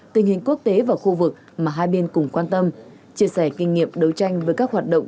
tình hình quốc tế và khu vực mà hai bên cùng quan tâm chia sẻ kinh nghiệm đấu tranh với các hoạt động